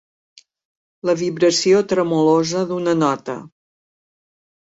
La vibració tremolosa d'una nota.